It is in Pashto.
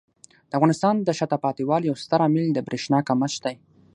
د افغانستان د شاته پاتې والي یو ستر عامل د برېښنا کمښت دی.